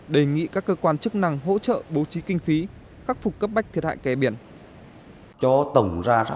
đề nghị các cơ quan chức năng hỗ trợ bố trí kinh phí khắc phục cấp bách thiệt hại kè biển